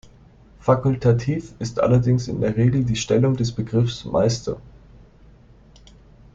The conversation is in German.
Fakultativ ist allerdings in der Regel die Stellung des Begriffs „Meister“.